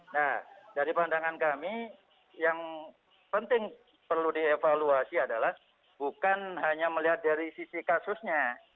nah dari pandangan kami yang penting perlu dievaluasi adalah bukan hanya melihat dari sisi kasusnya